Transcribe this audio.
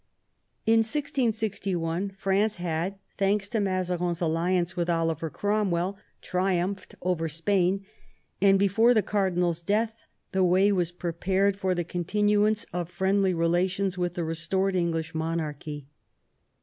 In 1661 France had, thanks to Mazarin's alliance with Oliver Cromwell, triumphed over Spain, and before the car dinal's death the way was prepared for the continuance of friendly relations with the restored English monarchy.